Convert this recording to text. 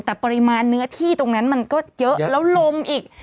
แต่ปริมาณเนื้อที่ตรงนั้นมันก็เยอะแล้วลมอีก